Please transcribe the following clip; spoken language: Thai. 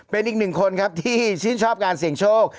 เป็นอีกหนึ่งคนครับที่ชื่นชอบการเสี่ยงโชค